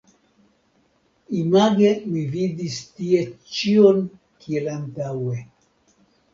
Image mi vidis tie ĉion kiel antaŭe.